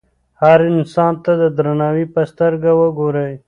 هر انسان ته د درناوي په سترګه وګورئ.